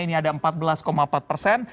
ini ada empat belas empat persen